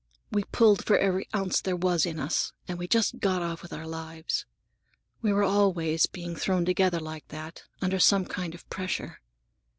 We pulled for every ounce there was in us, and we just got off with our lives. We were always being thrown together like that, under some kind of pressure.